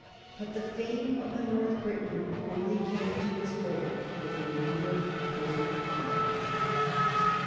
But the fame of the North Briton only came to its full with the number forty five.